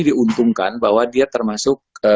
diuntungkan bahwa dia termasuk